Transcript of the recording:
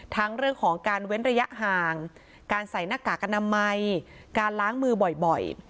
ทั้งเรื่องของการเว้นระยะห่างการใส่หน้ากากอนามัยการล้างมือบ่อย